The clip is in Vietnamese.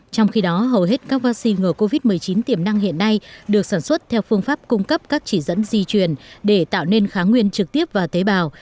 trong khi đó hầu hết các vaccine ngừa covid một mươi chín tiềm năng hiện nay được sản xuất theo phương pháp cung cấp các chỉ dẫn di truyền để tạo nên kháng nguyên trực tiếp và tế bào